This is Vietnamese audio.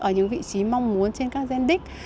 ở những vị trí mong muốn trên các gen đích